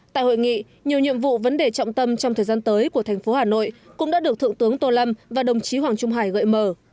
tại hội nghị nhiều nhiệm vụ vấn đề trọng tâm trong thời gian tới của thành phố hà nội cũng đã được thượng tướng tô lâm và đồng chí hoàng trung hải gợi mở